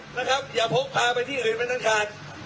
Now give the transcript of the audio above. นะครับอย่าพกพาไปที่อื่นไม่ทันขาด